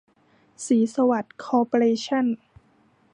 ศรีสวัสดิ์ คอร์ปอเรชั่น